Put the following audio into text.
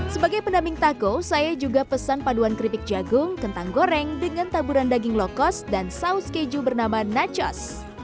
sebagai pendamping taco saya juga pesan paduan keripik jagung kentang goreng dengan taburan daging lokos dan saus keju bernama nachos